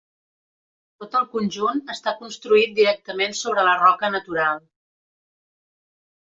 Tot el conjunt està construït directament sobre la roca natural.